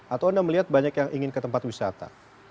atau anda melihat banyak yang ingin ke tempat wisata